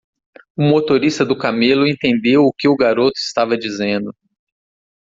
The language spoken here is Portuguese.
O motorista do camelo entendeu o que o garoto estava dizendo.